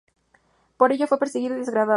Por ello fue perseguido y degradado.